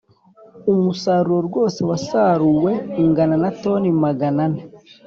Umusaruro wose wasaruwe ungana na toni Magana ane